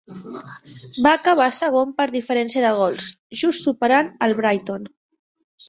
Va acabar segon per diferència de gols, just superant al Brighton.